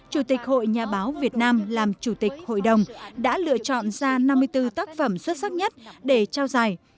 chủ tịch hội nhà báo việt nam làm chủ tịch hội đồng đã lựa chọn ra năm mươi bốn tác phẩm xuất sắc nhất để trao giải